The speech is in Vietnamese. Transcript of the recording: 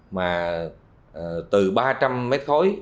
mà từ ba trăm linh mét khối